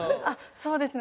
そうですね。